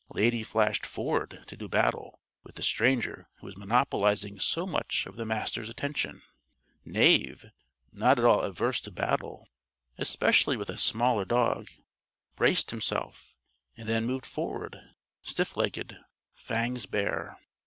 Lady flashed forward to do battle with the stranger who was monopolizing so much of the Master's attention. Knave, not at all averse to battle (especially with a smaller dog), braced himself and then moved forward, stiff legged, fangs bare.